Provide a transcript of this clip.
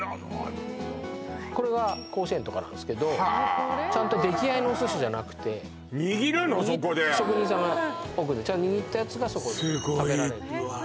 これは甲子園とかなんですけどちゃんと出来合いのおすしとかじゃなくて職人さんが握ったやつがそこで食べられる。